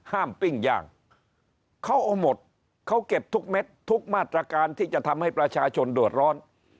ปิ้งย่างเขาเอาหมดเขาเก็บทุกเม็ดทุกมาตรการที่จะทำให้ประชาชนเดือดร้อน